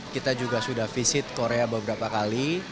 kita juga sudah visit korea beberapa kali